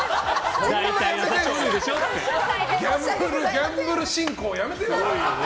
ギャンブル進行やめてよ！